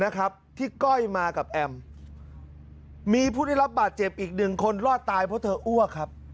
นะครับที่ก้อยมากับแอมมีผู้ได้รับบาดเจ็บอีกหนึ่งคนรอดตายเพราะเธออ้วกครับ